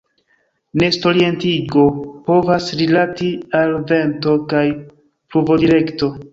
Nestorientigo povas rilati al vento kaj pluvodirekto.